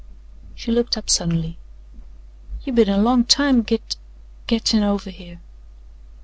She looked up suddenly. "You been a long time git gettin' over here."